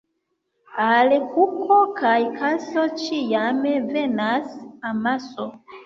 Al kuko kaj kaso ĉiam venas amaso.